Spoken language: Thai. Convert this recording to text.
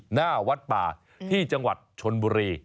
หน้าวัดป่าที่จังหวัดชนบุรี